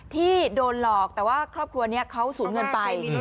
ที่โดนหลอกแต่ว่าครอบครัวนี้เขาสูญเงินไป